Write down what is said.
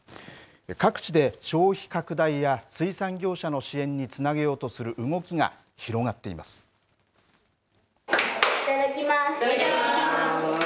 各地で消費拡大や水産業者の支援につなげようとする動きが広がっいただきます。